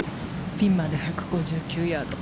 ピンまで１５９ヤード